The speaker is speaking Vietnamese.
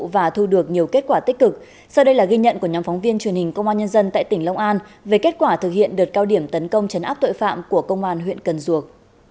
và thu được nhiều kết quả tích cực sau đây là ghi nhận của nhóm phóng viên truyền hình công an nhân dân tại tỉnh long an về kết quả thực hiện đợt cao điểm tấn công chấn áp tội phạm của công an huyện cần duộc